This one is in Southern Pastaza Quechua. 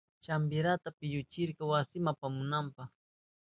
Champirata pilluchirka wasinma apamunanpa.